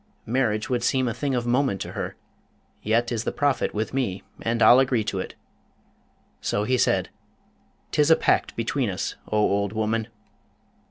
Marriage would seem a thing of moment to her, yet is the profit with me, and I'll agree to it.' So he said, ''Tis a pact between us, O old woman!'